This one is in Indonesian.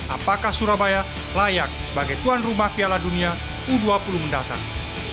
apakah surabaya layak sebagai tuan rumah piala dunia u dua puluh mendatang